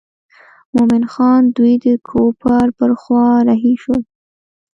مومن خان دوی د کور پر خوا رهي شول.